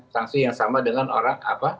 sanksi yang sama dengan orang apa